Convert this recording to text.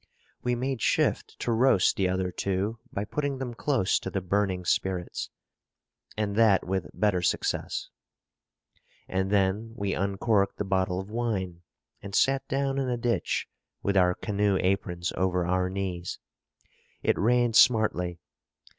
We made shift to roast the other two, by putting them close to the burning spirits; and that with better success. And then we uncorked the bottle of wine, and sat down in a ditch with our canoe aprons over our knees. It rained smartly.